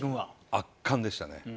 圧巻でしたね。